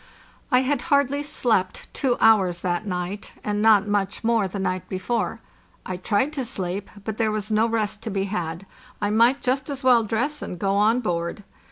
I had hardly slept two hours that night, and not much more the night before. I tried to sleep, but there was no rest to be had; I might just as well dress and go on board.